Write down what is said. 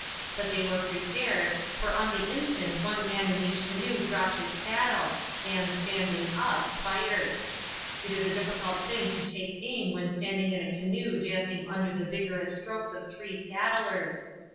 But they were prepared, for on the instant one man in each canoe dropped his paddle and, standing up, fired. It is a difficult thing to take aim when standing in a canoe dancing under the vigorous strokes of three paddlers.